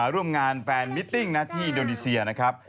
ร่วมงานแฟนมิตติ้งนะที่อินโดนีเซียนะครับ